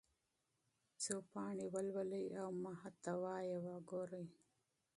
څو پاڼې ولولئ او محتوا یې وګورئ.